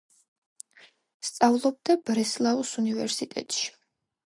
სწავლობდა ბრესლაუს უნივერსიტეტში.